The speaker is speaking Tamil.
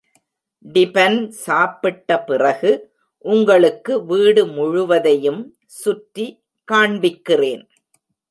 டிபன் சாப்பிட்ட பிறகு உங்களுக்கு வீடு முழுவதையும் சுற்றி காண்பிக்கிறேன்.